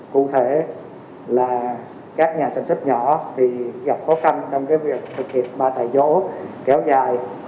cụ thể là các nhà sản xuất nhỏ thì gặp khó khăn trong việc thực hiện ba tại chỗ kéo dài